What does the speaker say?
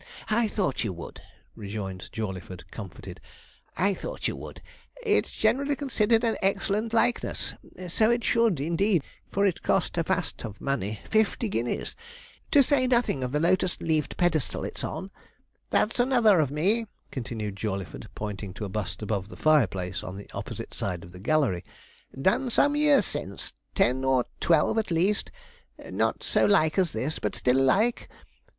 'I thought you would,' rejoined Jawleyford comforted 'I thought you would; it's generally considered an excellent likeness so it should, indeed, for it cost a vast of money fifty guineas! to say nothing of the lotus leafed pedestal it's on. That's another of me,' continued Jawleyford, pointing to a bust above the fireplace, on the opposite side of the gallery; 'done some years since ten or twelve, at least not so like as this, but still like.